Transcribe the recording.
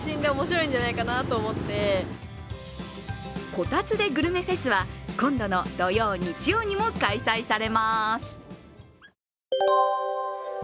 こたつｄｅグルメフェスは、今度の土曜、日曜にも開催されます。